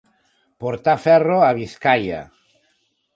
Portar ferro a Biscaia.